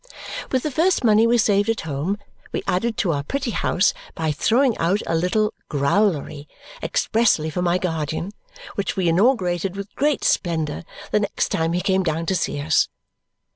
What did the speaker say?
With the first money we saved at home, we added to our pretty house by throwing out a little growlery expressly for my guardian, which we inaugurated with great splendour the next time he came down to see us.